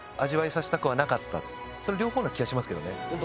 その両方な気がしますけどね。